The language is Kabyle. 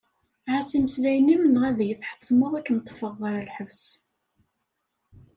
Ɛass imeslayen-im neɣ ad iyi-tḥettmeḍ ad kem-ṭfeɣ ɣer lḥebs.